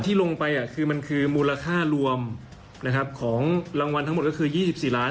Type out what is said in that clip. ที่ลงไปคือมันคือมูลค่ารวมนะครับของรางวัลทั้งหมดก็คือ๒๔ล้าน